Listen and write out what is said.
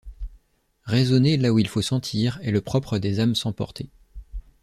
Raisonner là où il faut sentir est le propre des âmes sans portée.